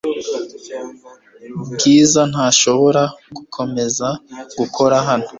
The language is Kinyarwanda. Bwiza ntashobora gukomeza gukora hano .